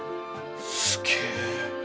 すげえ！